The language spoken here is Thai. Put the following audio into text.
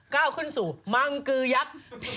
ก้าวขึ้นสู่มังกือยักษ์